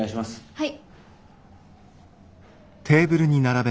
はい。